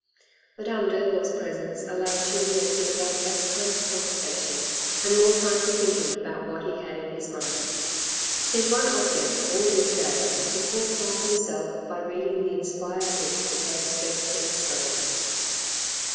Madame Derville's presence allowed Julien to devote less time to conversation, and more time to thinking about what he had in his mind. His one object all this day was to fortify himself by reading the inspired book that gave strength to his soul.